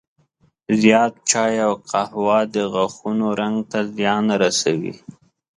زیات چای او قهوه د غاښونو رنګ ته زیان رسوي.